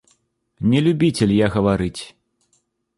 Не любіцель я гаварыць.